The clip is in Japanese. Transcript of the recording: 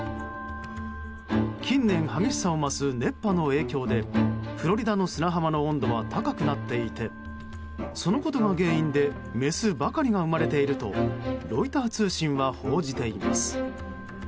近年、激しさを増す熱波の影響でフロリダの砂浜の温度は高くなっていてそのことが原因でメスばかりが生まれているとロイター通信は報じています。